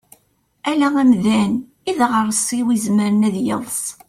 Ala amdan i daɣersiw izemren ad yeḍs.